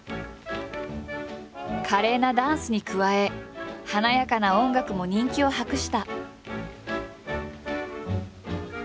華麗なダンスに加え華やかな音楽も人気を博した。